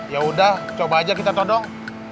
yaudah coba aja kita todong